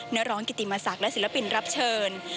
นักร้องกิติมศักดิ์และศิลปินรับเชิญ